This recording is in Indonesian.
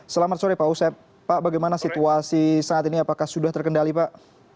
selamat sore pak usep pak bagaimana situasi saat ini apakah sudah terkendali pak